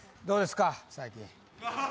どうですか最近？